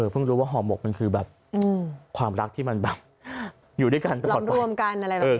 เพิ่งรู้ว่าห่อหมกมันคือความรักที่มันอยู่ด้วยกันตลอดไป